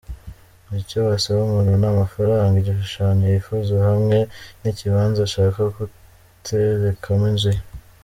Icyo basaba umuntu ni amafaranga, igishushanyo yifuza hamwe n’ikibanza ashaka guterekamo inzu ye.